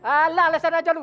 alah alih sana aja lu